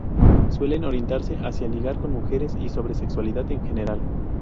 Suelen orientarse hacia ligar con mujeres y sobre sexualidad en general.